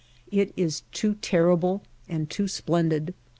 It is too terrible and too splendid.